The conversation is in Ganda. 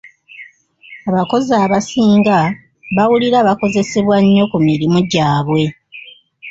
Abakozi abasinga bawulira bakozesebwa nnyo ku mirimu gyabwe.